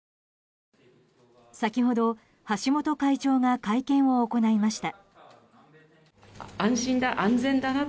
先ほど、橋本会長が会見を行いました。